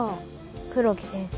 黒木先生。